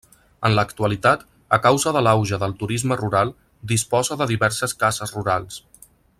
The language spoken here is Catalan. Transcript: En l'actualitat, a causa de l'auge del turisme rural, disposa de diverses cases rurals.